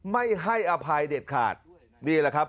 ไม่ให้อภัยเด็ดขาดนี่แหละครับ